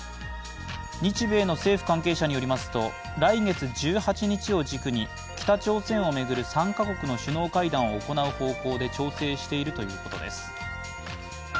日米の政府関係者によりますと来月１８日を軸に北朝鮮を巡る３か国の首脳会談を行う方向で調整しているということです。